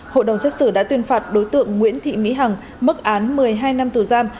hội đồng xét xử đã tuyên phạt đối tượng nguyễn thị mỹ hằng mức án một mươi hai năm tù giam